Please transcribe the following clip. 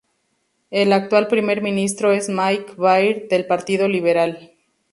El actual Primer Ministro es Mike Baird del Partido Liberal.